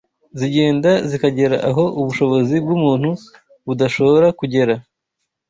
zigenda zikagera aho ubushobozi bw’umuntu budashora kugera